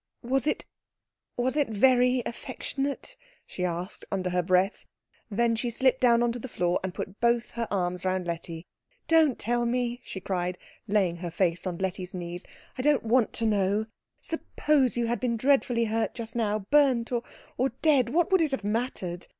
"Was it was it very affectionate?" she asked under her breath. Then she slipped down on to the floor, and put both her arms round Letty. "Don't tell me," she cried, laying her face on Letty's knees, "I don't want to know. Suppose you had been dreadfully hurt just now, burnt, or or dead, what would it have mattered?